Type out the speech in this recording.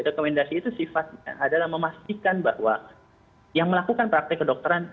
rekomendasi itu sifatnya adalah memastikan bahwa yang melakukan praktek kedokteran